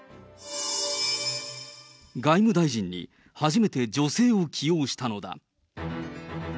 外務大臣に初めて女性を起用したのだ。